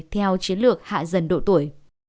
theo chiến lược hạ dần độ tuổi